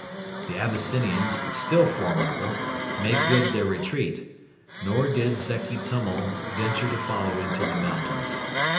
The Abyssinians, still formidable, made good their retreat; nor did Zeki Tummal venture to follow into the mountains.